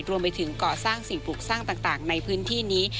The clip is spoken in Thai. รวมไปถึงก่อสร้างสิ่งปลูกสร้างต่างในพื้นที่นี้